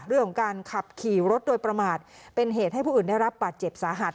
เรื่องของการขับขี่รถโดยประมาทเป็นเหตุให้ผู้อื่นได้รับบาดเจ็บสาหัส